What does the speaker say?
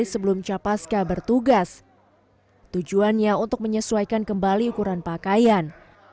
sebelum capaska bertugas tujuannya untuk menyesuaikan kembali ukuran pakaian